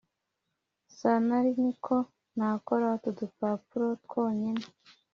Sanariniko nakora utu dupapuro twonyine